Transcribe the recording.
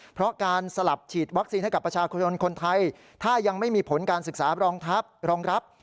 เพราะการสลับฉีดวัคซีนให้กับประชาชนคนไทยถ้ายังไม่มีผลการศึกษารองทัพรองรับ